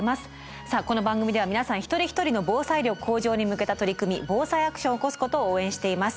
さあこの番組では皆さん一人一人の防災力向上に向けた取り組み防災アクションを起こすことを応援しています。